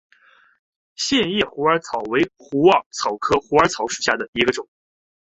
线叶虎耳草为虎耳草科虎耳草属下的一个种。